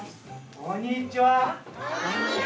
こんにちは。